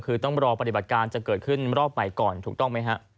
คือต้องรอปฏิบัติการจะเกิดขึ้นรอบใหม่ก่อนถูกต้องไหมฮะ